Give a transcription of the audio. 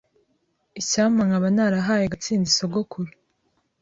Icyampa nkaba ntarahaye Gatsinzi sogokuru.